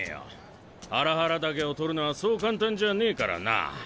ハラハラ茸を採るのはそう簡単じゃねえからな。